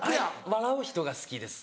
笑う人が好きです。